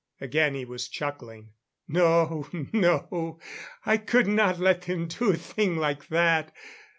Again he was chuckling. "No, no, I could not let them do a thing like that.